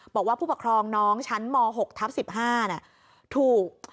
บอกว่าผู้ปกครองน้องชั้นม๖ทับ๑๕ถูก